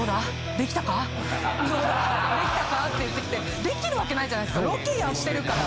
出来たか？」って言ってきて出来るわけないじゃないですかロケやってるから。